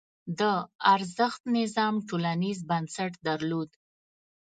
د ارزښت نظام ټولنیز بنسټ درلود.